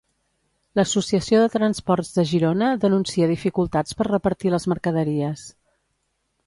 L'Associació de Transports de Girona denuncia dificultats per repartir les mercaderies.